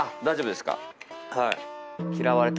大丈夫ですか。